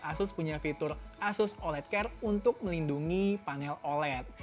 asus punya fitur asus oled care untuk melindungi panel oled